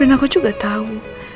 dan aku juga tahu